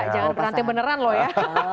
jangan berhenti beneran loh ya